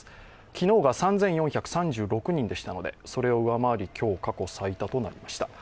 昨日が３４３６人でしたのでそれを上回り、今日、過去最多となりました。